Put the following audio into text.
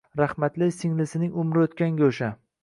Rahmatli singlisining umri o`tgan go`sha